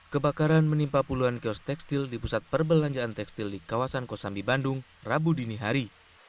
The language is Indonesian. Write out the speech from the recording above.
kebakaran menimpa puluhan kios tekstil di pusat perbelanjaan tekstil di kawasan kosambi bandung rabu dini hari